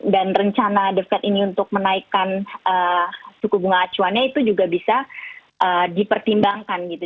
dan rencana the fact ini untuk menaikkan suku bunga acuannya itu juga bisa dipertimbangkan gitu